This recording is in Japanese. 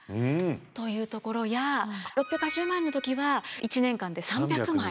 というところや６８０万円の時は１年間で３００枚。